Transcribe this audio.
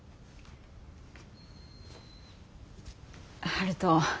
悠人。